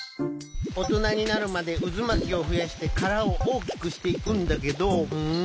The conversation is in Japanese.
おとなになるまでうずまきをふやしてからをおおきくしていくんだけど。